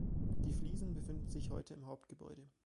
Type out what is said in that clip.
Die Fliesen befinden sich heute im Hauptgebäude.